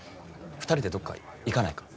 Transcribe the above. ２人でどっか行かないか？